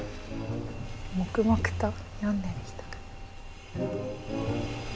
黙々と読んでる人が。